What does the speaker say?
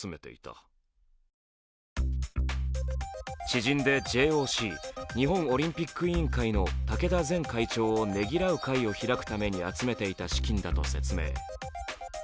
知人で、ＪＯＣ＝日本オリンピック委員会の竹田前会長をねぎらうために集めていた資金だと説明。